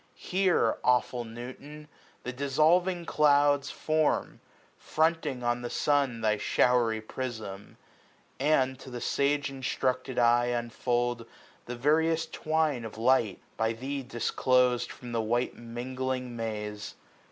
Here, awful Newton ! the dissolving clouds Form, fronting on the sun, thy showery prism j And to the sagc instructed eye unfold The various twine of light, by thee disclosed 210 From the white mingling maze.